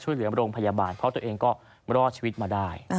โรงพยาบาลเพราะตัวเองก็รอดชีวิตมาได้